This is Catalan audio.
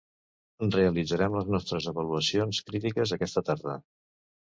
Realitzarem les nostres avaluacions crítiques aquesta tarda.